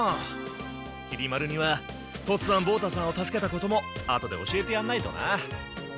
きり丸には突庵望太さんを助けたことも後で教えてやんないとな。